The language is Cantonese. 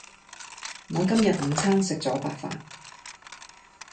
我今日午餐食咗白飯